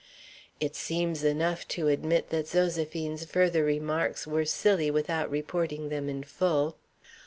It seems enough to admit that Zoséphine's further remarks were silly without reporting them in full.